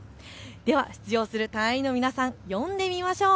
では出場する隊員の皆さん、呼んでみましょう。